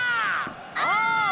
お！